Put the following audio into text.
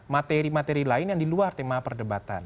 materi materi lain yang diluar tema perdebatan